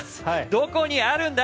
どこにあるんだ？